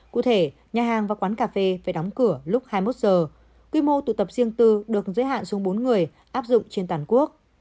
cụ thể nhà hàng và quán cà phê phải đóng cửa lúc hai mươi một giờ quy mô tụ tập riêng tư được giới hạn xuống bốn người áp dụng trên toàn quốc